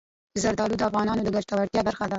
زردالو د افغانانو د ګټورتیا برخه ده.